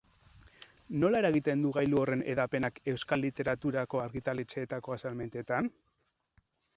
Nola eragiten du gailu horren hedapenak euskal literaturako argitaletxeetako salmentetan?